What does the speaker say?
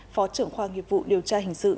phó trưởng khoa nghiệp vụ điều tra hình sự